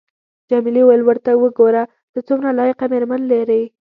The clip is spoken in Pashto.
جميلې وويل:: ورته وګوره، ته څومره لایقه مېرمن لرې.